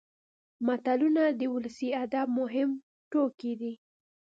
متلونه د ولسي ادب مهم توکي دي